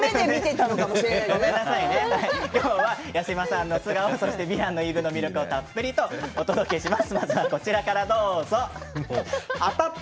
今日は八嶋さんの素顔と「ヴィランの言い分」の魅力をたっぷりとお届けします。